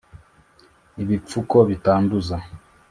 ibipfuko bitanduza